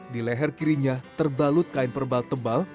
di leher kirinya terbalut kain perbal tebal